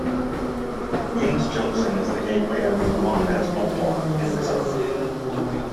Haines Junction is the gateway to Kluane National Park and Reserve.